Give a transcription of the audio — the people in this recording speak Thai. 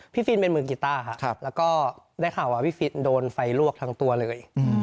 ฟินเป็นมือกีต้าครับแล้วก็ได้ข่าวว่าพี่ฟินโดนไฟลวกทั้งตัวเลย